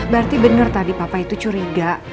berarti benar tadi papa itu curiga